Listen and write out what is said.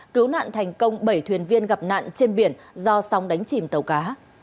cứu nạn thành công bảy thuyền viên gặp nạn trên biển do sóng đánh chìm tàu cá